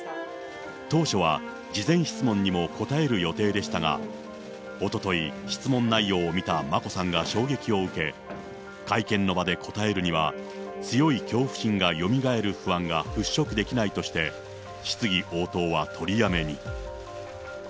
当初は、事前質問にも答える予定でしたが、おととい、質問内容を見た眞子さんが衝撃を受け、会見の場で答えるには、強い恐怖心がよみがえる不安が払拭できないとして、質疑応答は取りやめに。